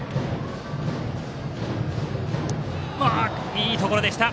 いいところでした。